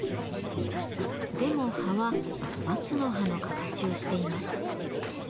でも葉は「松の葉」の形をしています。